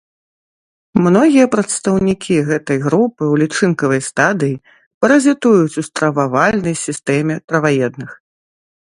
Многія прадстаўнікі гэтай групы ў лічынкавай стадыі паразітуюць у стрававальнай сістэме траваедных.